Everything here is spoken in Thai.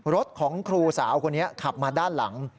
รถของครูสาวคนนี้ขับมาด้านหลัง